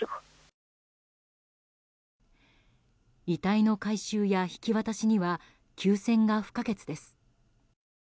遺体の回収や引き渡しには休戦が不可欠です。